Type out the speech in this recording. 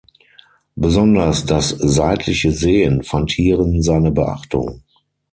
Besonders das seitliche Sehen fand hierin seine Beachtung.